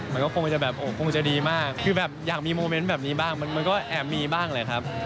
มันก็คงจะแบบคงจะดีมากคือแบบอยากมีโมเมนต์แบบนี้บ้างมันก็แอบมีบ้างแหละครับ